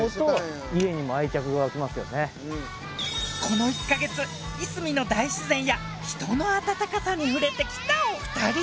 この１ヵ月いすみの大自然や人の温かさに触れてきたお二人。